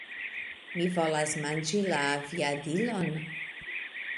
Mi volas manĝi la aviadilon!